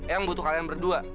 yang butuh kalian berdua